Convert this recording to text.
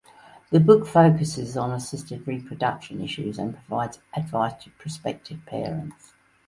The book focuses on assisted reproduction issues and provides advice to prospective parents.